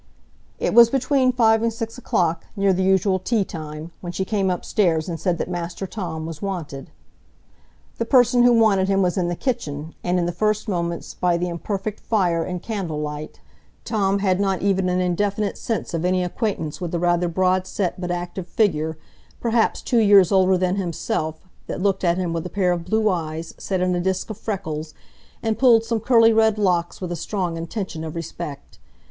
It was between five and six o'clock, near the usual teatime, when she came upstairs and said that Master Tom was wanted. The person who wanted him was in the kitchen, and in the first moments, by the imperfect fire and candle light, Tom had not even an indefinite sense of any acquaintance with the rather broad set but active figure, perhaps two years older than himself, that looked at him with a pair of blue eyes set in a disc of freckles, and pulled some curly red locks with a strong intention of respect.